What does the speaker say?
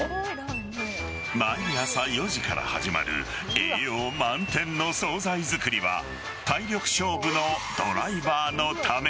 毎朝４時から始まる栄養満点の総菜作りは体力勝負のドライバーのため。